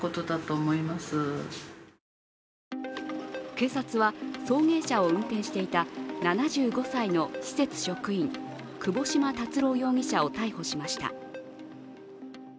警察は送迎車を運転していた７５歳の施設職員、窪島達郎容疑者を逮捕しました。